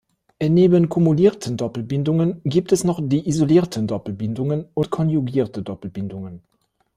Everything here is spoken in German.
Neben kumulierten Doppelbindungen gibt es noch die isolierten Doppelbindungen und konjugierte Doppelbindungen.